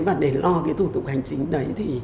và để lo thủ tục hành chính đấy